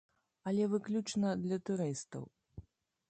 Але выключна для турыстаў.